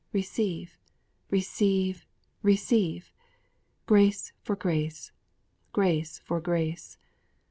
_ Receive! Receive! Receive! _Grace for grace! Grace for grace!